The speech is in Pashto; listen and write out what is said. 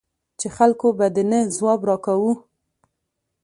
چې خلکو به د نه ځواب را کاوه.